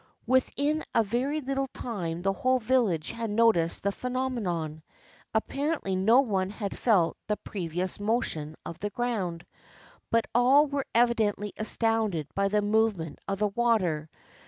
Within a very little time the whole village had noticed the phenomenon. Apparently no one had felt the pre vious motion of the ground, but all were evidently astounded by the movement of the water.